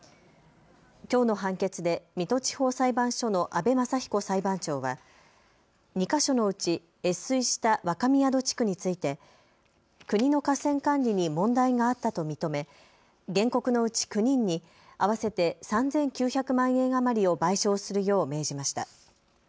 きょうの判決で水戸地方裁判所の阿部雅彦裁判長は２か所のうち越水した若宮戸地区について国の河川管理に問題があったと認め原告のうち９人に合わせて３９００万円余りを賠償するよう命じました。